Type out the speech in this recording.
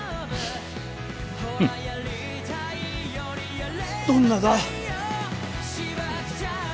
うんどんなだ？